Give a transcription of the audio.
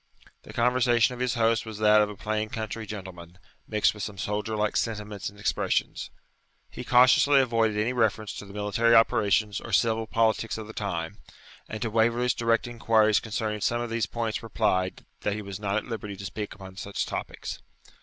The conversation of his host was that of a plain country gentleman, mixed with some soldier like sentiments and expressions. He cautiously avoided any reference to the military operations or civil politics of the time; and to Waverley's direct inquiries concerning some of these points replied, that he was not at liberty to speak upon such topics.